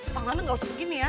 tangan gak usah begini ya